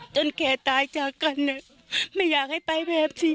แก่ตายจากกันไม่อยากให้ไปแบบนี้